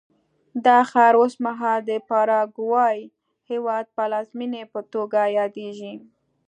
دا ښار اوس مهال د پاراګوای هېواد پلازمېنې په توګه یادېږي.